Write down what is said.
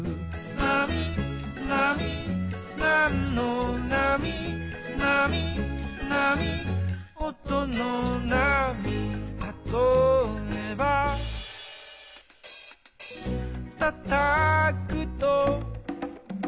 「なみなみなんのなみ」「なみなみおとのなみ」「たとえば」「たたくと」